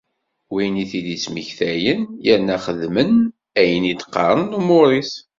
Win i d-ittmektayen yerna xeddmen ayen i d-qqaren lumuṛ-is.